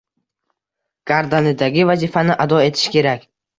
Gardanidagi vazifani ado etish kerak.